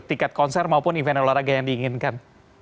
tiket konser maupun event olahraga yang diinginkan